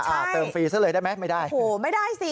เติมฟรีซะเลยได้ไหมไม่ได้โอ้โหไม่ได้สิ